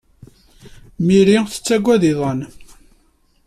Merry tettaggad iḍan.